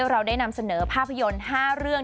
เราได้นำเสนอภาพยนตร์๕เรื่อง